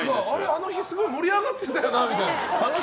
あの日、すごい盛り上がってたよなみたいな。